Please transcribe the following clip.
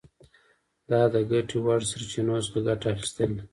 دا د ګټې وړ سرچینو څخه ګټه اخیستل دي.